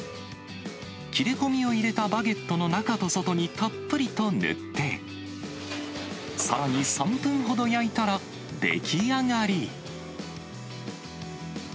切れ込みを入れたバゲットの中と外にたっぷりと塗って、さらに３分ほど焼いたら出来上がり。